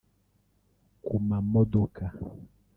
ku mamodoka